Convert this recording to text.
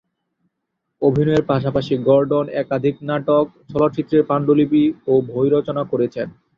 অভিনয়ের পাশাপাশি গর্ডন একাধিক নাটক, চলচ্চিত্রের পাণ্ডুলিপি, ও বই রচনা করেছেন।